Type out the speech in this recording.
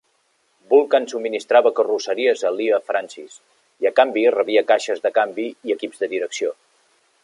Vulcan subministrava carrosseries a Lea-Francis i, a canvi, rebia caixes de canvi i equips de direcció.